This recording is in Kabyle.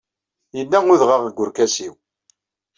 Yella udɣaɣ deg urkas-iw.